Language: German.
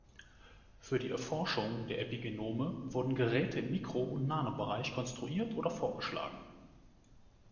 Für die Erforschung der Epigenome wurden Geräte im Mikro- und Nanobereich konstruiert oder vorgeschlagen.